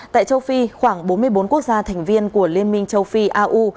tại châu phi khoảng bốn mươi bốn quốc gia thành viên của liên minh châu phi au